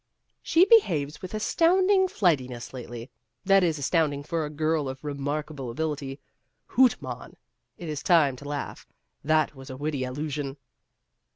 " She behaves with astounding flight! One of the Girls 285 ness lately that is, astounding for a girl of 'remarkable ability.' 'Hoot, mon!' it is time to laugh ; that was a witty allusion."